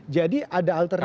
jadi ada alternatif